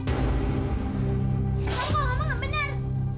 kamu kalau nggak mau yang bener